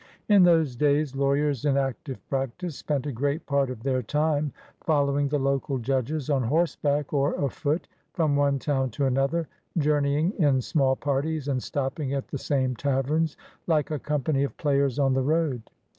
In those days lawyers in active practice spent a great part of their time following the local judges, on horseback or afoot, from one town to another, journeying in small parties, and stop ping at the same taverns, like a company of players on the road.